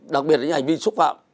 đặc biệt là những hành vi xúc phạm